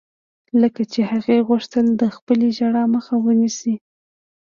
لکه چې هغې غوښتل د خپلې ژړا مخه ونيسي.